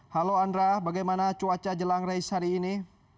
halo andra bagaimana cuaca jelang race hari ini